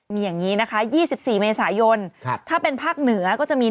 มีอย่างนี้นะคะ๒๔เมษายนถ้าเป็นภาคเหนือก็จะมี